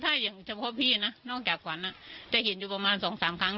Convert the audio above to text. ถ้าอย่างเฉพาะพี่นะนอกแกกวรรณจะเห็นอยู่ประมาณสองสามครั้ง